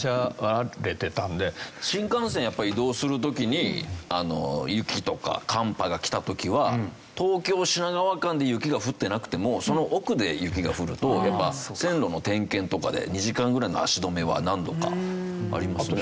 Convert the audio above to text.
新幹線やっぱり移動する時に雪とか寒波がきた時は東京品川間で雪が降ってなくてもその奥で雪が降るとやっぱり線路の点検とかで２時間ぐらいの足止めは何度かありますね。